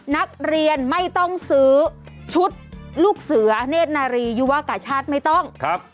นักเรียนไม่ต้องซื้อชุดลูกเสือเนธนารียุวกาชาติไม่ต้องครับ